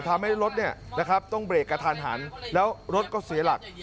ทำให้รถต้องเบรกกระทันหันแล้วรถก็เสียหลัก